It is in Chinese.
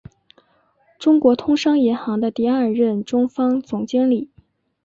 中国通商银行的第二任中方总经理。